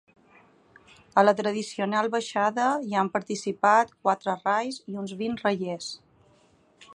A la tradicional baixada hi han participat quatre rais i uns vint raiers.